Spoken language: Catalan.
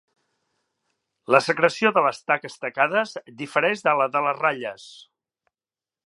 La secreció de les taques tacades difereix de la de les ratlles.